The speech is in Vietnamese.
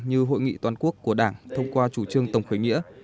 như hội nghị toàn quốc của đảng thông qua chủ trương tổng khởi nghĩa